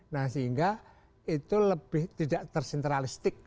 nah sehingga itu lebih tidak tersentralistik